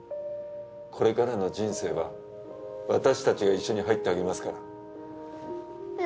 これからの人生は私たちが一緒に入ってあげますから。